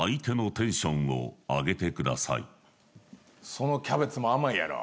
そのキャベツも甘いやろ？